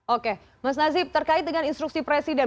oke mas nazib terkait dengan instruksi presiden